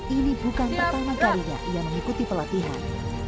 ini bukan pertama kalinya ia mengikuti pelatihan